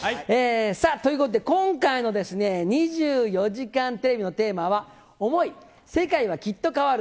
さあ、ということで、今回の２４時間テレビのテーマは、想い世界は、きっと変わる。